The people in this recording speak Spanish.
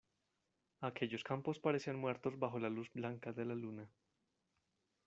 aquellos campos parecían muertos bajo la luz blanca de la luna: